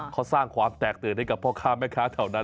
เขาสร้างความแตกตื่นให้กับพ่อค้าแม่ค้าแถวนั้น